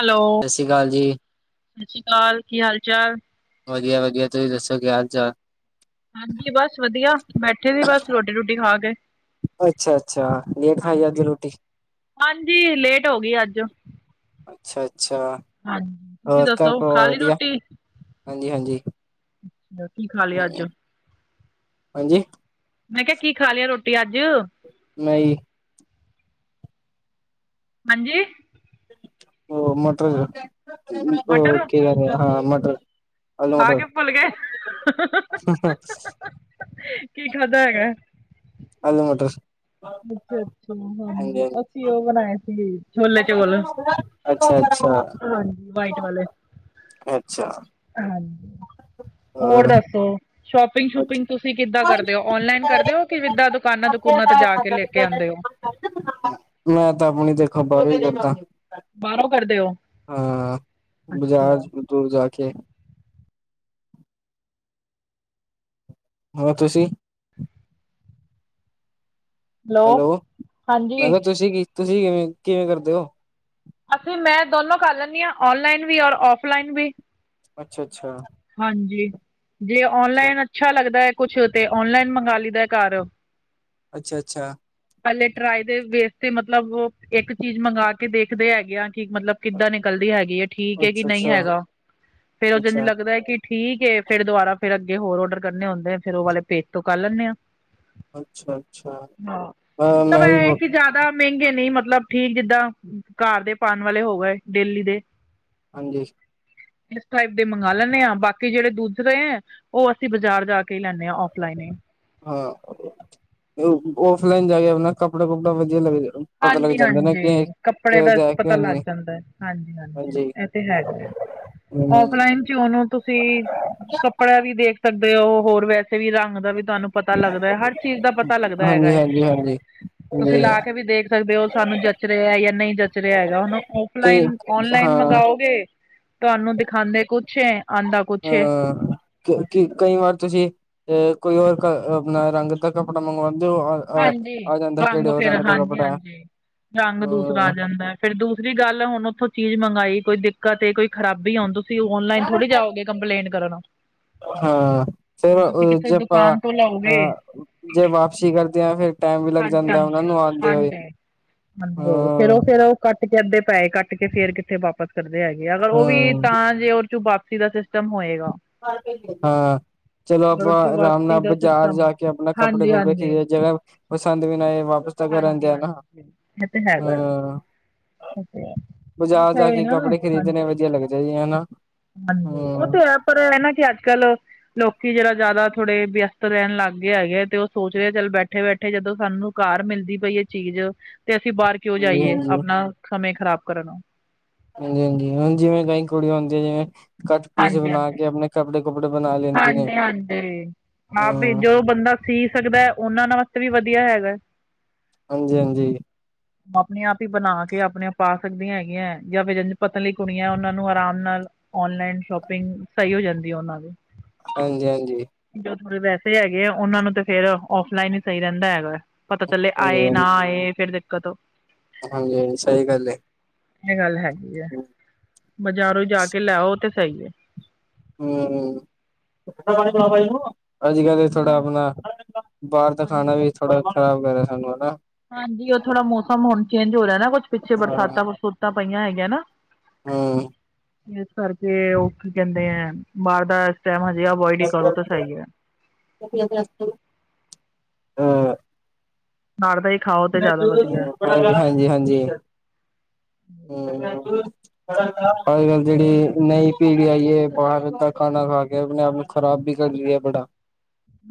Hello ਸਤਿ ਸ਼੍ਰੀ ਅਕਾਲ ਜੀ ਸਤਿ ਸ੍ਰੀ ਅਕਾਲ ਕੀ ਹਾਲ ਚਾਲ। ਵਧੀਆ ਵਧੀਆ ਤੁਸੀਂ ਦੱਸੋ ਕੀ ਹਾਲ ਚਾਲ। ਹਾਂਜੀ ਬਸ ਵਧੀਆ ਬੈਠੇ ਸੀ ਬਸ ਰੋਟੀ ਰੂਟੀ ਖਾ ਕੇ। ਅੱਛਾ-ਅੱਛਾ ਲੇਟ ਖਾਈ ਅਜ ਹਾਂਜੀ। ਰੋਟੀ। ਹਾਂਜੀ ਲੇਟ ਹੋ ਗਈ ਅੱਜ। ਅੱਛਾ-ਅੱਛਾ ਹਾਂਜੀ। ਤੁਸੀਂ ਹੋਰ ਘਰ ਦੱਸੋ ਖਾ ਪਰਵਾਰ ਲਈ ਵਧੀਆਂ ਹਾਂਜੀ-ਹਾਂਜੀ। ਅੱਛਾ ਕੀ ਖਾ ਲਿਆ ਅੱਜ। ਹਾਂਜੀ। ਮੈਂ ਕਿਹਾ ਕੀ ਖਾ ਲਿਆ ਰੋਟੀ ਅੱਜ। ਨਹੀਂ। ਹਾਂਜੀ। ਅੋ ਮਟਰ ਅੋ ਮਟਰ ਕਿ ਕਹਿਦੇ ਹਾਂ ਮਟਰ। ਆਲੂ ਖਾ ਕੇ ਮਟਰ ਭੁੱਲ ਗਏ ਕੀ ਖਾਧਾ ਹੈਗਾ। ਆਲੂ ਮਟਰ। ਅੱਛਾ-ਅੱਛਾ ਹਾਂਜੀ ਅਸੀਂ ਉਹ ਬਣਾਏ ਸੀ ਛੋਲੇ ਚੋਲ। ਅੱਛਾ-ਅੱਛਾ। ਹਾਂਜੀ ਵਾਈਟ ਵਾਲੇ। ਅੱਛਾ ਹਾਂਜੀ ਹੋਰ ਦੱਸੋ। ਸ਼ੋਪਿੰਗ ਸ਼ੂਪਿੰਗ ਤੁਸੀਂ ਕਿੱਦਾਂ ਕਰਦੇ ਹੋ ਔਨਲਾਈਨ ਕਰਦੇ ਹੋ ਕਿ ਜਿੰਦਾਂ ਦੁਕਾਨਾਂ ਦੁਕੂਨਾ ਤੇ ਜਾ ਕੇ ਲੈ ਕੇ ਆਉਂਦੇ ਹੋ। ਮੈਂ ਤਾਂ ਆਪਣੀ ਦੇਖੋ। [unintelligible] ਬਾਹਰੋਂ ਕਰਦੇ ਹੋ ਹਾਂ ਬਜਾਰ ਅੱਛਾ ਦੂਰ ਜਾ ਕੇ। ਹੋਰ ਤੁਸੀਂ। ਹੈਲੋ ਮੈਂ ਹਾਂਜੀ ਕਿਹਾ ਤੁਸੀਂ ਕੀ ਤੁਸੀਂ ਕਿਵੇਂ ਕਿਵੇਂ ਕਰਦੇ ਹੋ। ਅਸੀਂ ਮੈਂ ਦੋਨੋਂ ਕਰ ਲੈਂਦੀ ਹਾਂ ਔਨਲਾਈਨ ਵੀ ਔਰ ਔਫਲਾਈਨ ਵੀ। ਅੱਛਾ- ਅੱਛਾ। ਹਾਂਜੀ। ਜੇ ਔਨਲਾਈਨ ਅੱਛਾ ਲੱਗਦਾ ਹੈ ਕੁਛ ਤੇ ਔਨਲਾਈਨ ਮੰਗਵਾ ਲਈਦਾ ਘਰ। ਅੱਛਾ- ਅੱਛਾ। ਹਲੇ ਟਰਾਏ ਦੇ ਵੇਸ ਤੇ ਮਤਲਬ ਉਹ ਇੱਕ ਚੀਜ਼ ਮੰਗਵਾ ਕੇ ਦੇਖਦੇ ਹੈਗੇ ਆ ਕਿ ਮਤਲਬ ਕਿੱਦਾਂ ਨਿਕਲਦੀ ਹੈਗੀ ਹੈ ਠੀਕ ਐ ਕੇ ਅੱਛਾ ਨਹੀਂ ਅੱਛਾ ਹੈਗਾ ਫਿਰ ਉਹ ਜਿਹਨੂੰ ਅੱਛਾ ਲੱਗਦਾ ਜੇ ਠੀਕ ਏ ਫਿਰ ਦੁਬਾਰਾ ਫਿਰ ਅੱਗੇ ਹੋਰ ਔਡਰ ਕਰਨੇ ਹੁੰਦੇ ਫਿਰ ਉਹ ਵਾਲੇ ਪੇਜ ਤੋਂ ਕਰ ਲੈਂਨੇ ਆ। ਅੱਛਾ- ਅੱਛਾ ਹਾਂ ਮਤਲਬ ਮੈਂ ਇਹ ਵੀ ਹੈ ਬ ਕਿ ਜ਼ਿਆਦਾ ਮਹਿੰਗੇ ਨਹੀਂ ਮਤਲਬ ਠੀਕ ਜਿੱਦਾਂ ਘਰ ਦੇ ਪਾਉਣ ਵਾਲੇ ਹੋ ਗਏ ਡੇਲੀ ਦੇ ਹਾਂਜੀ। ਕਿਸ ਟਾਈਪ ਦੇ ਮੰਗ ਲੈਂਣੇ ਆਪ ਬਾਕੀ ਜਿਹੜੇ ਦੁਸਰੇ ਰਹੇ ਉਹ ਅਸੀਂ ਬਾਜ਼ਾਰ ਜਾ ਕੇ ਹੀ ਲੈਂਦੇ ਹਾਂ ਔਫਲਾਈਨ ਹੀ ਹਾਂ ਔਫਲਾਈਨ ਜਾ ਕੇ ਆਪਣਾ ਕੱਪੜਾ ਕੁਪੜਾ ਵਧੀਆ ਲੱਗ ਜਾ ਹਾਂਜੀ ਹਾਂਜੀ ਕੱਪੜੇ ਦਾ ਪਤਾ ਕਿਉਂ ਲੱਗ ਨਹੀਂ ਜਾਂਦਾ ਹਾਂਜੀ ਹਾਂਜੀ। ਇਹ ਤੇ ਹੈਗਾ ਹੈ ਹਾਂਜੀ ਔਫਲਾਈਨ ਉਹਨੂੰ ਤੁਸੀਂ ਕੱਪੜਾ ਵੀ ਦੇਖ ਸਕਦੇ ਹੋ ਹੋਰ ਵੈਸੇ ਵੀ ਰੰਗ ਵੀ ਤੁਹਾਨੂੰ ਪਤਾ ਲੱਗਦਾ ਹੈ ਹਰ ਚੀਜ਼ ਦਾ ਪਤਾ ਲੱਗਦਾ ਹੈਗਾ ਐ ਹਾਂਜੀ ਹਾਂਜੀ ਤੁਸੀਂ ਲਾ ਕੇ ਵੀ ਦੇਖ ਸਕਦੇ ਉਹ ਸਾਨੂੰ ਜੱਚ ਰਿਹਾ ਜਾਂ ਨਹੀਂ ਜੱਚ ਰਿਹਾ ਹੈਗਾ ਹੁਣ ਕਈ ਔਫਲਾਈਨ ਔਨਲਾਈਨ ਹਾਂ ਮੰਗਾਓਗੇ। ਤੁਹਾਨੂੰ ਦਿਖਾਉਂਦੇ ਕੁਛ ਐ ਆਉਂਦਾ ਕੁਛ ਹੈ ਹਾਂ। ਕੀ ਕੀ ਕਈ ਵਾਰ ਤੁਸੀਂ ਅ ਕੋਈ ਹੋਰ ਆਪਣਾ ਰੰਗ ਕਾ ਕੱਪੜਾ ਮੰਗਵਾਉਂਦੇ ਹੋ। ਹਾਂਜੀ ਆ ਜਾਂਦਾ ਰੰਗ ਕਿਹੜੇ ਹੋਰ ਫਿਰ ਦਾ ਹਾਂਜੀ ਕੱਪੜਾ ਹਾਂਜੀ ਰੰਗ ਦੂਸਰਾ ਅ ਆ ਜਾਂਦਾ। ਫਿਰ ਦੂਸਰੀ ਗੱਲ ਹੁਣ ਉੱਥੋਂ ਚੀਜ਼ ਮੰਗਾਈ ਕੋਈ ਦਿੱਕਤ ਏ ਕੋਈ ਖਰਾਬੀ ਆਣ ਦੋ ਤੁਸੀਂ ਔਨਲਾਈਨ ਥੋੜੀ ਜਾਓਗੇ ਕੰਪਲੇਂਟ ਕਰਨ। ਹਾਂ ਫਿਰ ਹੁਣ ਤੁਸੀਂ ਕਿਸੇ ਜੇ ਆਪਾਂ ਦੁਕਾਨ ਤੋਂ ਲਓਗੇ ਆ ਜੇ ਵਾਪਸੀ ਕਰਦੇ ਹਾਂ ਫਿਰ ਟਾਈਮ ਵੀ ਲੱਗ ਹਾਂਜੀ ਜਾਂਦਾ ਉਹਨਾਂ ਨੂੰ ਹਾਂਜੀ ਆਉਂਦੇ ਹੋਏ ਬੰਦ ਹਾਂਜੀ ਚਲੋ ਹਾਂ ਫਿਰ ਕੱਟ ਕੇ ਅੱਧੇ ਪੈਸੇ ਕੱਟ ਕੇ ਫਿਰ ਕਿੱਥੇ ਵਾਪਸ ਕਰਦੇ ਹੈਗੇ ਆ ਅਗਰ ਉਹ ਵੀ ਹਾਂ ਤਾਂ ਜੇ ਉੱਚੋ ਵਾਪਸੀ ਆ ਜੇ ਖ਼ਤਮ ਹੋਏਗਾ। ਮਰ ਕੇ ਦੇਨ ਹਾਂ। ਚਲੋ ਆਪਾਂ ਰੋਟੀ ਆਰਾਮ ਵਾਪਸੀ ਨਾਲ ਦਾ ਬਜ਼ਾਰ ਸਿਸਟਮ ਜਾ ਕੇ ਆਪਣਾ ਕੱਪੜੇ ਕੁਪੜੇ ਹਾਂਜੀ-ਹਾਂਜੀ ਖਰੀਦੀਏ ਜਗਾਹ ਪਸੰਦ ਵੀ ਨਹੀਂ ਆਏ ਵਾਪਸ ਤਾਂ ਕਰ ਆਦੇ ਨਾ ਇਹ ਤੇ ਹੈਗਾ ਇਹ ਹਾਂ ਤੇ ਹੈ। ਬਾਜ਼ਾਰ ਬਸ ਜਾ ਇਹ ਕੇ ਨਾ ਕੱਪੜੇ ਖ਼ਰੀਦਣੇ ਹਾਂਜੀ। ਵਧੀਆ ਲੱਗਦੇ ਆ ਜੀ ਹਨਾ। ਹਾਂਜੀ ਉਹ ਹੂੰ ਤੇ ਹੈ ਪਰ ਐ ਨਾ ਕਿ ਅੱਜ ਕੱਲ ਲੋਕੀ ਜਿਹੜਾ ਜ਼ਿਆਦਾ ਥੋੜੇ ਵਿਅਸਤ ਰਹਿਣ ਲੱਗ ਗਏ ਹੈਗੇ ਤੇ ਉਹ ਸੋਚ ਰਹਾ ਚੱਲ ਬੈਠੇ ਬੈਠੇ ਬੈਠੇ ਜਦੋਂ ਸਾਨੂੰ ਘਰ ਮਿਲਦੀ ਪਈ ਚੀਜ਼ ਤੇ ਅਸੀਂ ਬਾਹਰ ਕਿਉਂ ਹਾਂਜੀ ਜਾਈਏ ਹਾਂਜੀ ਹਾਂਜੀ ਆਪਣਾ ਸਮੇਂ ਖ਼ਰਾਬ ਕਰਨ ਓ ਹਾਂਜੀ ਹਾਂਜੀ ਜਿਵੇਂ ਕਈ ਕੁੜੀ ਹੁੰਦੀਆਂ ਜਿਵੇਂ ਕੱਟ ਪੀਸ ਬਣਾ ਕੇ ਆਪਣੇ ਕੱਪੜੇ ਕੁਪੜੇ ਬਣਾ ਲੈਂਦੀ ਨੇ। ਹਾਂ ਭੇਜੋ ਬੰਦਾ ਪੀ ਸਕਦਾ ਹੈ ਉਹਨਾਂ ਵਾਸਤੇ ਵੀ ਵਧੀਆ ਹੈਗਾ ਹਾਂਜੀ ਹਾਂਜੀ ‌ ਆਪਣੇ ਆਪ ਹੀ ਬਣਾ ਕੇ ਆਪਣੇ ਪਾ ਸਕਦੀਆਂ ਹੈਗੀਆਂ ਜਾਂ ਫਿਰ ਪਤਲੀਆ ਕੁੜੀਆਂ ਉਹਨਾਂ ਨੂੰ ਆਰਾਮ ਨਾਲ ਔਨਲਾਈਨ ਸ਼ੋਪਿੰਗ ਸਹੀ ਹੋ ਜਾਂਦੀ ਹੈ ਉਹਨਾਂ ਦੀ। ਹਾਂਜੀ ਹਾਂਜੀ ਜੋ ਥੋੜੇ ਵੈਸੇ ਹੈਗੇ ਆ, ਉਹਨਾ ਨੂੰ ਤੇ ਫਿਰ ਔਫਲਾਈਨ ਹੀ ਸਹੀ ਰਹਿੰਦਾ ਹੈਗਾ। ਪਤਾ ਚੱਲੇ ਹਾਂਜੀ ਆਏ ਨਾ ਆਏ, ਫਿਰ ਦਿੱਕਤ ਔ। ਹਾਂਜੀ ਹਾਂਜੀ ਸਹੀ ਗੱਲ ਏ। ਇਹ ਗੱਲ ਹੈਗੀ ਐ, ਬਜ਼ਾਰੋਂ ਜਾ ਕੇ ਲੈ ਆਓ ਤੇ ਸਹੀ ਏ। ਹੂੰ ਹੂੰ, ਅੱਜ ਕੱਲ ਥੋੜਾ ਆਪਣਾ ਬਾਹਰ ਦਾ ਖਾਣਾ ਵੀ ਥੋੜਾ ਖ਼ਰਾਬ ਕਰ ਰਿਹਾ ਸਾਨੂੰ ਹਨਾ। ਹਾਂਜੀ, ਉਹ ਥੋੜ੍ਹਾ ਮੌਸਮ ਹੁਣ ਚੇਂਜ ਹੋ ਰਿਹਾ ਨਾ, ਕੁਛ ਪਿੱਛੇ ਬਰਸਾਤਾਂ ਬਰਸੂਤਾਂ ਪਈਆਂ ਹੈਗੀਆਂ ਨਾ। ਹੂੰ। ਇਸ ਕਰਕੇ ਉਹ ਕੀ ਕਹਿੰਦੇ ਐ ਬਾਹਰ ਦਾ ਸਮਾਨ ਹਜੇ ਅਵੋਇਡ ਹੀ ਕਰੋ ਤਾਂ ਸਹੀ ਐ। [unintelligible] ਅਨਾਰ ਦਾ ਹੀ ਖਾਓ। ਤੇ ਜ਼ਿਆਦਾ ਵਧੀਆ [unintelligible] ਹਾਂਜੀ ਹਾਂਜੀ ਹੂੰ [inaudible] ਅੱਜ ਕੱਲ ਜਿਹੜੀ ਨਈ ਪੀ ਲਿਆ ਜੇ ਬਾਹਰ ਦਾ ਖਾਣਾ ਖਾ ਕੇ ਆਪਣੇ ਆਪ ਨੂੰ ਖ਼ਰਾਬ ਵੀ ਕਰ ਲਿਆ ਬੜਾ।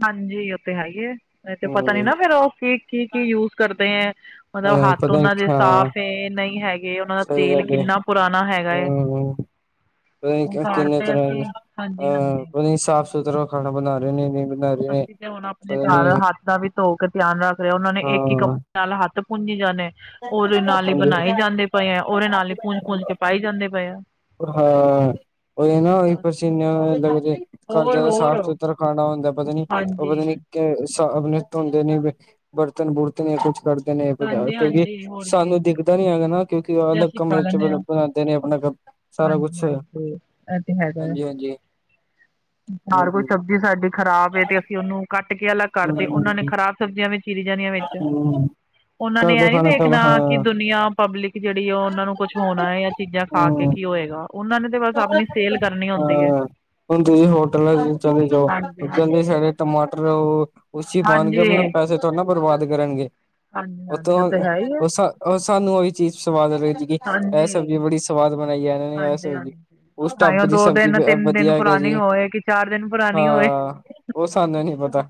ਹਾਂਜੀ ਉਹ ਤੇ ਹੈ ਈ ਐ, ਇਹ ਤੇ ਪਤਾ ਨੀ ਹਮ ਨਾ ਫਿਰ ਉਹ ਕੀ ਕੀ ਕੀ ਯੂਜ ਕਰਦੇ ਐ। ਮਤਲਬ ਅ ਹੱਥ ਪਤਾ ਨੀ ਉਹਨਾਂ ਦੇ ਹਾਂ ਸਾਫ਼ ਏ ਨਹੀਂ ਹੈਗੇ, ਉਹਨਾਂ ਦਾ ਸਹੀ ਤੇਲ ਗੱਲ ਹੈ ਕਿੰਨਾ ਪੁਰਾਣਾ ਹੈਗਾ ਏ। ਹਮ ਪਤਾ ਹੁਣ ਨੀ ਘਰ ਕਿੰਨੇ ਤੇ ਆਏ ਤਰ੍ਹਾਂ ਦੇ ਅਸੀਂ, ਹਾਂਜੀ ਅਹ ਹਾਂਜੀ। ਪਤਾ ਨੀ ਸਾਫ਼ ਸੁਥਰਾ ਖਾਣਾ ਬਣਾ ਰਹੇ ਨੇ ਨੀ ਬਣਾ ਰਹੇ ਨੇ ਅਸੀਂ ਤੇ ਹੁਣ ਆਪਣੇ ਪਤਾ ਘਰ ਹੱਥ ਦਾ ਵੀ ਧੋ ਕੇ ਧਿਆਨ ਰੱਖ ਰਹੇ, ਉਹਨਾਂ ਨੇ ਇੱਕ ਹੀ ਕੱਪ ਹਾਂ ਨਾਲ ਹੱਥ ਪੂੰਜੀ ਜਾਣੇ, ਉਹਦੇ ਨਾਲ ਹੀ ਬਣਾਏ ਹਾਂਜੀ ਜਾਂਦੇ ਪਏ ਐ, ਉਹਦੇ ਨਾਲ ਹੀ ਪੂੰਝ ਪੂੰਝ ਕੇ ਪਾਈ ਜਾਂਦੇ ਪਏ ਆ। ਹਾਂ, ਉਹੀ ਨਾ ਉਹੀ ਪਸੀਨੇ ਨਾਲ ਲੱਗ ਜੇ, ਕਰ ਜਾਏ ਦਾ ਸਾਫ਼ ਚੁਤਰ ਖਾਣਾ ਹੁੰਦਾ ਪਤਾ ਨੀ, ਉਹ ਹਾਂਜੀ ਪਤਾ ਨੀ ਕਿ ਸਾਫ਼ ਨੀ ਧੋਂਦੇ ਨੇ ਗੇ ਬਰਤਨ ਬੁਰਤਨ ਜਾਂ ਕੁਛ ਕਰਦੇ ਨੇ ਪਤਾ ਹਾਂਜੀ ਹਾਂਜੀ ਕਿਉਂਕਿ ਹੋਰ ਕੀ ਸਾਨੂੰ ਦਿੱ ਪਤਾ ਨੀ ਹੈਗਾ ਨਾ, ਕਿਉਂਕਿ ਉਹ ਤੇ ਅਲੱਗ ਅਸੀਂ ਖਾ ਕਮਰੇ ਚ ਲੈਂਦੇ ਬਰ ਹਾਂ ਬਣਾਂਦੇ ਨੇ ਆਪਣਾ ਕ ਹਾਂਜੀ ਹਾਂਜੀ, ਐ ਤੇ ਹੈਗਾ ਆ, ਹਾਂਜੀ ਹਾਂਜੀ ਹਰ ਕੋਈ ਹਮ ਸਬ ਵੀ ਸਾਡੀ ਖ਼ਰਾਬ ਏ ਤੇ ਅਸੀਂ ਉਹਨੂੰ ਕੱਟ ਕੇ ਅਲੱਗ ਕਰ ਤੇ, ਉਹਨਾਂ ਨੇ ਖ਼ਰਾਬ ਸਬਜ਼ੀਆਂ ਵੀ ਚੀਰੀ ਜਾਣੀਆ ਵਿੱਚ, ਉਹਨਾਂ ਘਰ ਨੇ ਦਾ ਐ ਨੀ ਖਾਣਾ ਤਾਂ ਵੇਖਣਾ ਹਾਂ ਕਿ ਦੁਨੀਆਂ ਪਬਲਿਕ ਜਿਹੜੀ ਉਹਨਾਂ ਨੂੰ ਕੁਛ ਹੋਣਾ ਐ ਜਾਂ ਚੀਜ਼ਾਂ ਖਾ ਕੇ ਹਮ ਕੀ ਹੋਏਗਾ। ਉਹਨਾਂ ਨੇ ਤੇ ਬਸ ਆਪਣੀ ਸੇਲ ਕਰਨੀ ਹੁੰਦੀ ਐ। ਹਾਂ ਹੁਣ ਤੁਸੀਂ ਹੋਟਲਾਂ ਵਿੱਚ ਚਲੇ ਜਾਉ, ਗੰਦੇ ਸੜੇ ਟਮਾਟਰ ਓ ਉਸ ਚ ਹੀ ਪਾਣਗੇ ਹਾਂਜੀ ਆਪਣੇ ਪੈਸੇ ਤੇ ਨਾ ਬਰਬਾਦ ਕਰਨਗੇ, ਹਾਂਜੀ ਉਹ ਤੋਂ ਹਾਂਜੀ ਤੇ ਹੈ ਹੀ ਅਅ ਹੈ ਉਸ ਅ ਉਹ ਸਾਨੂੰ ਉਹੀ ਚੀਜ਼ ਸਵਾਦ ਲੱਗ ਜੇਗੀ, ਐ ਸਬਜ਼ੀ ਬੜੀ ਸਵਾਦ ਬਣਾਈ ਐ ਇਹਨਾਂ ਨੇ ਐ ਸਬਜ਼ੀ ਉਸ ਆਏ ਉਹ ਢਾਬੇ ਦੀ ਦੋ ਸਬਜ਼ੀ ਦਿਨ ਤਿੰਨ ਦਿਨ ਵਧੀਆ ਹੈਗਾ ਪੁਰਾਣੀ ਜੀ ਹੋਏ, ਕਿ ਚਾਰ ਦਿਨ ਪੁਰਾਣੀ ਹੋਏ। ਹਾਂ ਉਹ ਸਾਨੂੰ ਨੀ ਪਤਾ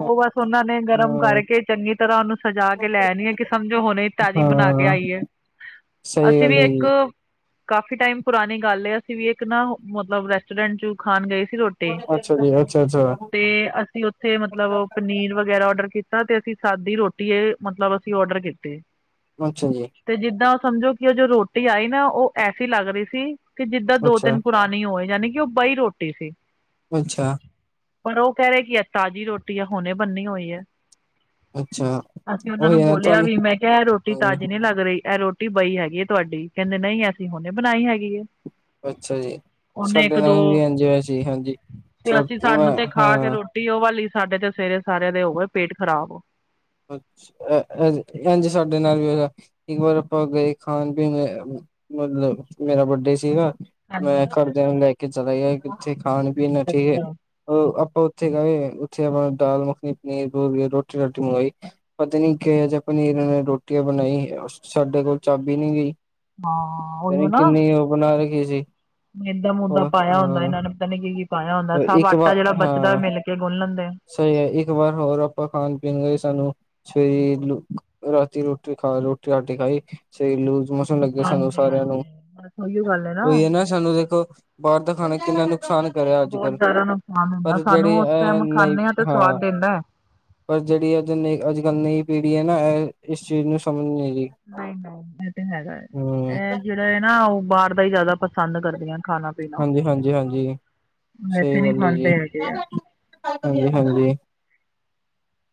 ਹਾਂ ਬਸ ਉਹਨਾਂ ਨੇ ਗਰਮ ਕਰਕੇ ਚੰਗੀ ਤਰ੍ਹਾਂ ਉਹਨੂੰ ਸਜਾ ਕੇ ਲੈ ਆਣੀ ਐ ਕਿ ਸਮਝੋ ਹੁਣ ਇਹ ਤਾਜ਼ੀ ਬਣਾ ਕੇ ਹਾਂ ਆਈ ਐ। ਸਹੀ ਗੱਲ ਹੈਗੀ ਐ। ਕਾਫ਼ੀ ਟਾਈਮ ਪੁਰਾਣੀ ਗੱਲ ਏ, ਅਸੀਂ ਵੀ ਇੱਕ ਨਾ ਓ ਮਤਲਬ ਰੈਸਟੋਰੈਂਟ ਚ ਖਾਣ ਗਏ ਸੀ ਰੋ ਟੀ ਅੱਛਾ ਜੀ ਅੱਛਾ ਅੱਛਾ ਤੇ ਅਸੀਂ ਉੱਥੇ ਮਤਲਬ ਪਨੀਰ ਵਗੈਰਾ ਓਡਰ ਕੀਤ ਤਾ ਤੇ ਅਸੀਂ ਸਾਦੀ ਰੋਟੀ ਇਹ ਅ ਮਤਲਬ ਅਸੀਂ ਆਊਡਰ ਕੀਤੇ। ਅੱਛਾ ਜੀ। ਤੇ ਜਿੱਦਾਂ ਉਹ ਸਮਝੋ ਕਿ ਜੋ ਉਹ ਰੋਟੀ ਆਈ ਨਾ ਉਹ ਐਸੀ ਲੱਗ ਰਹੀ ਸੀ ਕਿ ਜਿੱਦਾਂ ਦੋ ਅੱਛਾ ਤਿੰਨ ਪੁਰਾ ਪੁਰਾਣੀ ਹੋਏ, ਜਾਣੀ ਕਿ ਉਹ ਬਈ ਰੋਟੀ ਸੀ। ਅੱਛਾ। ਪਰ ਉਹ ਕਹਿ ਰਹੇ ਕਿ ਐ ਤਾਜ਼ੀ ਰੋਟੀ ਆ ਹੁਣੇ ਬੰਨੀ ਹੋਈ ਏ। ਅੱਛਾ ਅਸੀਂ ਉਹਨਾ ਨੂੰ ਉਹੀ ਹੈ ਬੋਲਿਆ ਤੁਹਾਨੂੰ ਵੀ ਮੈਂ ਕਿਹਾ ਐ ਰੋਟੀ ਹਾਂਜੀ ਤਾਜ਼ੀ ਨਹੀ ਲੱਗ ਰਹੀ ਐ ਰੋਟੀ ਰੋਟੀ ਬਈ ਹੈਗੀ ਏ ਤੁਆਡੀ, ਕੈਂਦੇ ਨਈ ਅਸੀ ਹੁਣੇ ਬਨਾਈ ਹੈਗੀ ਏ। ਅੱਛਾ ਜੀ, ਸਾਡੇ ਨਾਲ ਵੀ ਐਂਜੀ ਹੋਯਾ ਸੀ ਹਾਂਜੀ। ਤੇ ਅਸੀਂ ਛੋਟਾ ਸਾਨੂੰ ਤੇ ਖਾ ਕੇ ਹਾਂ ਰੋਟੀ ੳਹ ਵਾਲੀ, ਸਾਡੇ ਤੇ ਸਵੇਰੇ ਸਾਰੇਆਂ ਦੇ ਹੋ ਗਏ ਪੇਟ ਖਰਾਬ। ਅੱਛਾ, ਐ ਐ ਐਂਜ ਸਾਡੇ ਨਾਲ ਵੀ ਹੋਯਾ ਇੱਕ ਵਾਰ ਆਪਾਂ ਗਏ ਖਾਣ-ਪੀਣ ਮਤਲਬ ਮੇਰਾ ਬਡੇ ਸੀਗਾ ਮੈਂ ਘਰਦੇਆਂ ਨੂੰ ਲੈ ਕੇ ਚਲਾ ਗਿਆ ਕਿੱਥੇ ਖਾਣ-ਪੀਣ, ਠੀਕ ਏ। ਅੱਛਾ। ਅ ਆਪਾਂ ੳਥੇ ਗਏ, ੳਥੇ ਆਪਾਂ ਦਾਲ ਮੱਖਣੀ, ਪਨੀਰ ਪਨੂਰ, ਰੋਟੀ ਰਾਟੀ ਮੰਗਾਈ। ਪਤਾ ਨੀ, ਕਿਹਾ ਜਾ ਪਨੀਰ ਏ, ਰੋਟੀਆਂ ਬਨਾਈ, ਸਾਡੇ ਕੋਲ ਚੱਬੀ ਨਈ ਗਈ। ਹਾਂ ਪਤਾ ਨੀ, ਕਿੰਨੀ ੳਹ ਬਨਾ ਰੱਖੀ ਸੀ। ਮੇਦਾ ਮੂਦਾ ਉਹ ਪਾਇਆ ਹੁੰਦਾ ਏਨਾ ਹਾਂ ਨੇ ਪਤਾ ਨੀ ਕੀ ਕੀ ਪਾਇਆ ਹੁੰਦਾ। ਸਭ ਇੱਕ ਆਟਾ ਵਾਰ ਜੇੜਾ ਬਚਦਾ ਹਾਂ ਮਿਲ ਕੇ ਗੁਨ ਲੈਂਦੇ ਆ। ਸਹੀ ਐ। ਇੱਕ ਵਾਰ ਹੋਰ ਆਪਾਂ ਖਾਣ-ਪੀਣ ਗਏ, ਸਾਨੂੰ ਅੱਛਾ ਜੀ। ਰਾਤੀ ਰੋਟੀ ਖਾ ਰੋਟੀ ਰਾਟੀ ਖਾਈ, ਸਵੇਰੇ ਲੂਜ ਮੋਸ਼ਨ ਲਗ ਗਏ ਸਾਨੂੰ ਹਾਂਜੀ ਸਾਰੇਆਂ ਨੂੰ। ਹਾਂਜੀ। ਬਸ ਉਹੀਓ ਗੱਲ ਹੈ ੳਈ ਐ ਨਾ ਸਾਨੂੰ ਦੇਖੋ ਬਾਹਰ ਦਾ ਖਾਨਾ ਕਿੰਨਾ ਨੁਕ ਨੁਕਸਾਨ ਕਰੇ ਅੱਜ ਬਹੁਤ ਕਲ, ਜ਼ਿਆਦਾ ਨੁਕਸਾਨ ਹੁੰਦਾ ਪਰ ਜੇੜੀ ਸਾਨੂੰ ਉਸ ਏ ਟਾਈਮ ਨਈ ਖਾਂਦੇ ਤੇ ਹਾਂ। ਸਵਾਦ ਦਿੰਦਾ ਬਸ ਜੇੜੀ ਏ ਜਿਨੀ ਅੱਜ-ਕਲ ਨਈ ਪੀਢੀ਼ ਹੈ ਨਾ ਐ ਏਸ ਚੀਜ ਨੂੰ ਸਮਝ ਨਈ ਰੀ। ਨਈ-ਨਈ, ਐ ਤੈ ਹੈਗਾ ਏ। ਐ ਜੇੜਾ ਏ ਨਾ, ੳਹ ਬਾਹਰ ਦਾ ਈ ਜਾਦਾ ਪਸੰਦ ਕਰਦੀਆਂ ਖਾਨਾ-ਪੀਨਾ। ਹਾਂਜੀ, ਹਾਂਜੀ, ਹਾਂਜੀ। ਵੈਸੇ ਨਈ ਖਾਂਦੇ ਹੈਗੇ ਐ। ਹਾਂਜੀ-ਹਾਂਜੀ।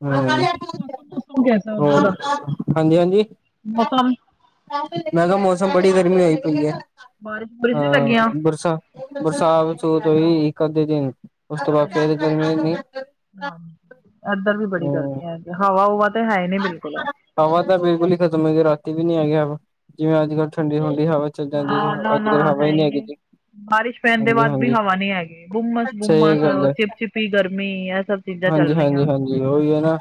ਹਾਂ ਮੌਸਮ ਮੌਸਮ ਕੈਸਾ ਉਧਰ ਹੋਰ ਦਾ? ਹਾਂਜੀ-ਹਾਂਜੀ ਮੌਸਮ ਮੈਂ ਕੇਆ, ਮੌਸਮ ਬੜੀ ਗਰਮੀ ਹੋਈ ਪਈ ਐ। ਹਾ ਬਾਰਿਸ਼ ਬੁਰਿਸ਼ ਨੀ ਲੱਗੀਆਂ? ਬਰਸਾ ਬਰਸਾਤ ਬਰਸੂਤ ਹੋਈ ਇੱਕ ਅੱਧੇ ਦਿਨ, ੳਸ ਤੋਂ ਬਾਦ ਫੇਰ ਗਰਮੀ ਇੰਨੀ ਏਧਰ ਵੀ ਬੜੀ ਗਰਮੀ ਹੂੰ ਐ। ਹਵਾ-ਹੁਵਾ ਤੇ ਹੈਈ ਨੀ ਬਿਲਕੁਲ। ਹਵਾ ਤਾਂ ਬਿਲਕੁਲ ਈ ਖਤਮ ਏ ਜੀ, ਰਾਤੀ ਵੀ ਨੀ ਹੈਗੀ ਹਵਾ। ਜਿਵੇ ਅੱਜ ਕਲ ਠੰਡੀ-ਠੰਡੀ ਹਵਾ ਚੱਲਨ ਡਈ ਸੀ, ਅੱਜ ਕੱਲ ਹਵਾ ਈ ਨੀ ਹੈਗੀ ਜੀ। ਬਾਰਿਸ਼ ਪੈਣ ਦੇ ਹਾਂਜੀ ਬਾਦ ਵੀ ਹਾਂਜੀ ਹਵਾ ਨੀ ਹੈਗੀ। ਸਹੀ ਬੁੰਮਸ-ਬੁੰਮਸ ਗੱਲ ਔਰ ਹੈ ਚਿਪ ਚਿਪੀ ਗਰਮੀ ਏਹ ਸਭ ਸਿੱਧਾ ਚੱਲ ਰਹੀਆਂ ਹਾਂਜੀ-ਹਾਂਜੀ, ੳਈ ਐ ਨਾ।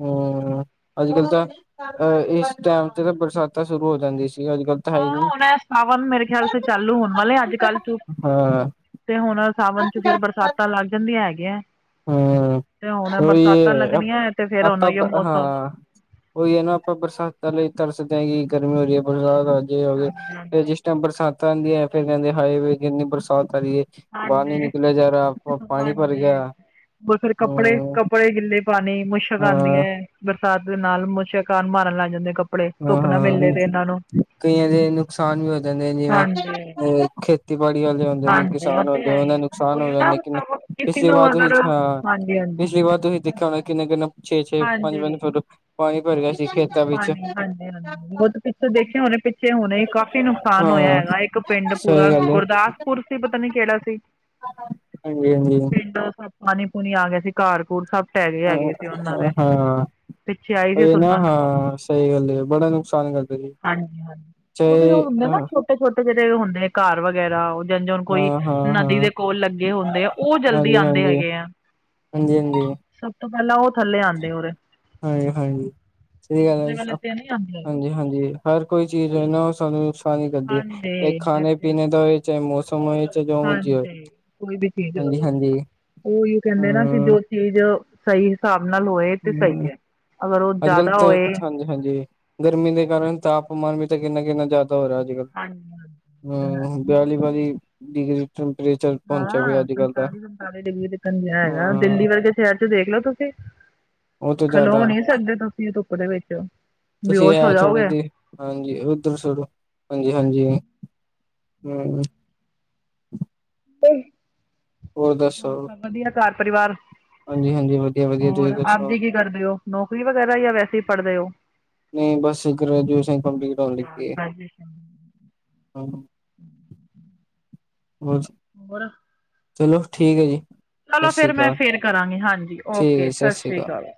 ਹੂੰ। ਹੂੰ ਅੱਜ-ਕੱਲ ਤਾਂ ਅਹ ਏਸ ਟੈਮ ਤੇ ਤਾਂ ਬਰਸਾਤਾਂ ਸ਼ੁਰੂ ਹੋ ਜਾਂਦੀ ਸੀ। ਅੱਜ ਕੱਲ ਤਾਂ ਹੈ ਹੀ ਹਾਂ, ਨੀ ਹੁਣ ਸਾਵਨ ਮੇਰੇ ਖੇਆਲ ਚ ਚਾਲੂ ਹੋਨ ਵਾਲਾ ਏ ਅੱਜ-ਕਲ ਚ। ਹਾਂ ਤੇ ਹੁਣ ਸਾਵਨ ਚ ਫੇਰ ਬਰਸਾਤਾਂ ਲੱਗ ਜਾਂਦੀਆ ਹੈਗੀਆ। ਹੂੰ ਤੇ ਹੁਣ ਉਹੀ ਬਰਸਾਤਾਂ ਲੱਗਣੀਆਂ ਤੇ ਫੇਰ ਹੋਨ ੳਹੀੳ ਆਪਾਂ ਮੌਸਮ ਹਾਂ ਉਹੀ ਐ ਨਾ, ਆਪਾਂ ਬਰਸਾਤਾਂ ਲਈ ਤਰਸਦੇ ਹਾਂ ਕਿ ਗਰਮੀ ਹੋ ਰੀ ਏ, ਬਰਸਾਤ ਆਜੇ ਹੋਜੇ। ਫਿਰ ਜਿਸ ਟਾਈਮ ਬਰਸਾਤਾਂ ਆਂਦੀਆਂ ਫੇਰ ਕਹੰਦੇ, ਹਾਏ ਵੇ ਏਨੀ ਬਰਸਾਤ ਪੈ ਰੀ ਏ। ਬਾਹਰ ਨੀ ਨਿਕਲਆ ਜਾ ਰਾ, ਪਾਨੀ ਭਰ ਗਿਆ। ਬਸ ਫੇਰ ਕੱਪੜੇ, ਹਮ ਕੱਪੜੇ ਗਿੱਲੇ ਪਾਨੇ, ਮੁਸ਼ਕ ਆਂਦੀ ਹਾਂ ਐ। ਬਰਸਾਤ ਦੇ ਨਾਲ ਮੁਸਕ ਆਨ, ਮਾਰਨ ਲੱਗ ਜਾਂਦੇ ਕੱਪੜੇ। ਧੁੱਪ ਨਾ ਹਾਂ-ਹਾਂ ਮਿਲੇ ਤੇ ਇਹਨਾਂ ਨੂੰ ਨੀ ਕਈਆਂ ਦੇ ਨੁਕਸਾਨ ਵੀ ਹੋ ਜਾਂਦੇ ਨੇ ਜਿਵੇਂ ਖੇਤੀਬਾੜੀ ਵਾਲੇ ਹੁੰਦੇ ਨੇ ਕਿਸਾ ਨੁਕਸਾਨ ਹੋ ੳਹ ਦਾ ਨੁਕਸਾਨ ਹੋ ਰੇ ਨੇ ਕਿਨੇ ਕਿਨੇ। ਕਿਸੇ ਪਿਛਲੀ ਨੂੰ ਵਾਰ ਅਗਰ ਹਾਂ ਹਾਂਜੀ ਹਾਂਜੀ ਪਿਛਲੀ ਵਾਰ ਤੁਸੀ ਦੇਖੇਆ ਹੋਨਾ, ਕਿਨੇ-ਕਿਨੇ ਛੇ-ਛੇ, ਪੰਜ -ਪੰਜ ਫੁੱਟ ਪਾਨੀ ਭਰ ਗਿਆ ਸੀ ਖੇਤਾਂ ਵਿੱਚ ਏਨਾਂ ਨੂੰ ਬਟ ਪਿੱਛੇ ਦੇਖੇਆ ਹੋਨਾ, ਪਿੱਛੇ ਹੁਨੇ ਕਾਫ਼ ਨੁਕਸਾਨ ਹੋਏਆ ਹਾਂ ਹੈਗਾ। ਇੱਕ ਪਿੰਡ ਪੂਰਾ ਸਹੀ ਗੁਰਦਾਸ ਕੁਰਸ ਹੀ, ਪਤਾ ਨੀ ਕਿਹੜਾ ਸੀ। ਨਾਲ ਨਾਲ ਹਾਂਜੀ-ਹਾਂਜੀ। ਪਾਣੀ-ਪੂਣੀ ਆ ਗਿਆ ਸੀ, ਘਾਰ ਘੁਰ ਤੱਕ ਹਾਂ ਹਾਂ ਪਿੱਛੇ ਆਈ ਸੀ ਇਹ ਨਾ ਸੁਣਨ ਨੂੰ ਹਾਂ ਸਹੀ ਗੱਲ ਬੜਾ ਨੁਕਸਾਨ ਕਰ ਚੇ ਹਾਂ ਹਾ ਤੇ ਛੋਟੇ ਜਿੜੇ ਹੁੰਦੇ ਆ, ਘਰ ਵਗੈਰਾ ਜਜਰ ਕੋਈ ਹਾਂ ਹਾਂ ਨਦੀ ਹਾਂ ਦੇ ਕੋਲ ਲੱਗੇ ਹੁੰਦੇ ਆ ਉਹ ਜਲਦੀ ਆਂਦੇ ਹੈਗੇ ਆ। ਹਾਂਜੀ-ਹਾਂਜੀ। ਸਭ ਤੋਂ ਪਹਿਲਾਂ ਉਹ ਥੱਲੇ ਆਂਦੇ ਹੋਰੇ ਹਾਂਜੀ-ਹਾਂਜੀ ਸਹੀ ਗੱਲ ਹੈ ਵਾਲੇ ਸਭ ਤੇ ਨਹੀਂ ਆਉਂਦੇ ਹੈਗੇ ਹਾਂਜੀ-ਹਾਂਜੀ। ਹਰ ਕੋਈ ਚੀਜ਼ ਹੈਨਾ ਉਹ ਸਾਨੂੰ ਨੁਕਸਾਨ ਹੀ ਕਰਦੀ ਐਂ ਇਕ ਖਾਣੇ ਹਾਂਜੀ ਪੀਣੇ ਦਾ ਹੋਏ ਚਾਹੇ ਮੌਸਮ ਹੋਏ। ਚਾਹੇ ਜੋ ਮਰਜ਼ੀ ਹੋਏ ਹਾਂਜੀ ਕੋਈ ਵੀ ਚੀਜ਼ ਹਾਂਜੀ ਹੋਏ ਹਾਂਜੀ ਉਹੀਓ ਕਹਿੰਦੇ ਨਾ ਕਿ ਹਮ ਜੋ ਚੀਜ਼ ਸਹੀ ਹਿਸਾਬ ਨਾਲ ਹੋਏ ਤੇ ਹਮ ਸਹੀ ਐ ਅਗਰ ਉਹ ਅੱਜ ਕੱਲ ਜ਼ਿਆਦਾ ਤਾਂ ਹੋਏ ਹਾਂਜੀ ਹਾਂਜੀ ਗਰਮੀ ਦੇ ਕਾਰਨ ਤਾਪਮਾਨ ਵੀ ਤਾਂ ਕਿੰਨਾ-ਕਿੰਨਾ ਜ਼ਿਆਦਾ ਹੋ ਰਹਾ। ਹਮ ਬਿਆਲੀ ਬਾਲੀ ਡਿਗਰੀ ਟੈਂਪਰੇਚਰ ਪਹੁੰਚਿਆ ਪਿਆ ਹਾਂ ਅੱਜ ਕੱਲ ਤਾਂ ਸੰਤਾਲੀ-ਪੰਤਾਲੀ ਡਿਗਰੀ ਤਿਕਨ ਹੈਗਾ ਹਾਂ ਦਿੱਲੀ ਵਰਗੇ ਸ਼ਹਿਰ ਚ ਦੇਖ ਲੋ ਤੁਸੀਂ ਉਹ ਤੋਂ ਖਲੋ ਜ਼ਿਆਦਾ ਨਹੀਂ ਸਕਦੇ ਤੁਸੀਂ ਧੁੱਪ ਦੇ ਵਿੱਚ। ਤੁਸੀਂ ਬੇਹੋਸ਼ ਹੋ ਐ ਛੋੜੋ ਜਾਓਗੇ ਦੀ ਹਾਂਜੀ ਉਧਰ ਸੋੜੋ ਹਾਂਜੀ ਹਾਂਜੀ ਹੂੰ। [inaudible] ਪੇਈ ਹੋਰ ਸਭ ਵਧੀਆ ਘਰ ਪਰਿਵਾਰ। ਹਾਂਜੀ ਹਾਂਜੀ ਵਧੀਆ ਵਧੀਆ ਹੋਰ ਤੁਸੀਂ ਆਪਦੀ ਦੱਸੋ ਗੀ ਕੀ ਕਰਦੇ ਓ ਨੌਕਰੀ ਵਗੈਰਾ ਜਾਂ ਵੈਸੇ ਹੀ ਪੜ੍ਹਦੇ ਹੋ? ਨਹੀਂ ਬਸ ਗ੍ਰੈਜੂਏਸ਼ਨ ਕੰਪਲੀਟ ਹੋਣ ਲੱਗੀ‌ ਏ। ਹਾਜ ਹੋਰ ਦੱਸੋ ਹੋਰ ਚਲੋ ਠੀਕ ਐ ਜੀ। ਸਤਿ ਚਲੋ ਸ਼੍ਰੀ ਫੇਰ ਮੈਂ ਅਕਾਲ ਫੇਰ ਕਰਾਂਗੀ, ਹਾਂਜੀ ਠੀਕ ਹੈ ਓਕੇ ਜੀ ਸਤਿ ਸ਼੍ਰੀ ਸ੍ਰੀ ਅਕਾਲ।